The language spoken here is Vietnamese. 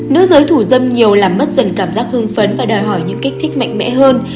nữ giới thủ dâm nhiều làm mất dần cảm giác hương phấn và đòi hỏi những kích thích mạnh mẽ hơn